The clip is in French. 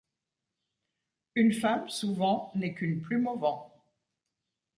Une femme souvent N’est qu’une plume au vent !